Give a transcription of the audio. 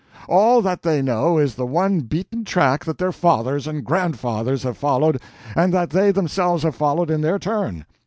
All that they know is the one beaten track that their fathers and grandfathers have followed and that they themselves have followed in their turn.